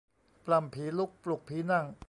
ปล้ำผีลุกปลุกผีนั่ง